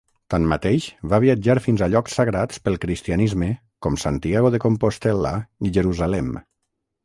Tanmateix, va viatjar fins a llocs sagrats pel cristianisme com Santiago de Compostel·la i Jerusalem.